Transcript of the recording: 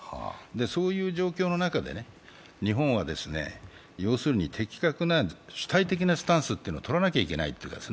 そういう状況の中で、日本は的確な主体的なスタンスを取らなきゃいけない。